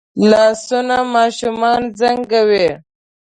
لاسونه ماشومان زنګوي